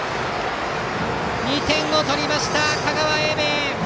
２点を取りました香川・英明！